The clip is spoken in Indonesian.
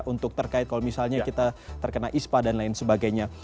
untuk terkait kalau misalnya kita terkena ispa dan lain sebagainya